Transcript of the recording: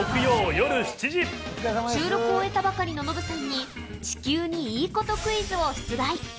収録を終えたばかりのノブさんに、地球にいいことクイズを出題。